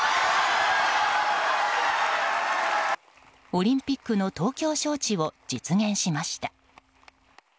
オリンピックの東京招致を実現しました。